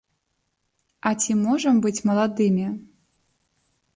А ці можам быць маладымі?